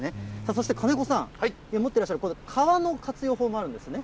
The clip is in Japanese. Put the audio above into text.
そして金子さん、持ってらっしゃる皮の活用法もあるんですね。